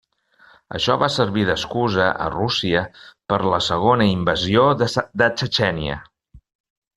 Això va servir d'excusa a Rússia per la segona invasió de Txetxènia.